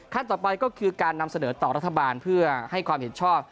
ต่อไปก็คือการนำเสนอต่อรัฐบาลเพื่อให้ความเห็นชอบ